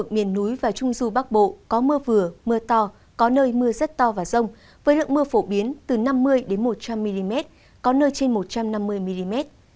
mưa vừa mưa to có nơi mưa rất to và rông với lượng mưa phổ biến từ năm mươi một trăm linh mm có nơi trên một trăm năm mươi mm